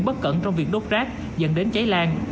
bất cẩn trong việc đốt rác dẫn đến cháy lan